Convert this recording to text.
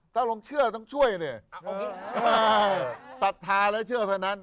ถ้าลงเชื่อต้องช่วยเนี่ยศรัทธาและเชื่อเท่านั้น